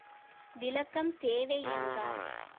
விளக்கம் தேவை என்றார்.